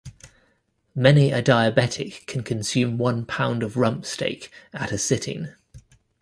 Many a diabetic can consume one pound of rump steak at a sitting.